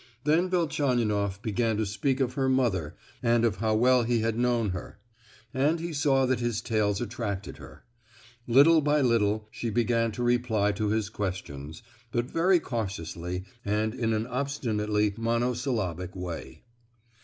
Then Velchaninoff began to speak of her mother and of how well he had known her; and he saw that his tales attracted her. Little by little she began to reply to his questions, but very cautiously and in an obstinately monosyllabic way.